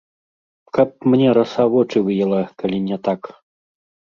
Каб мне раса вочы выела, калі не так!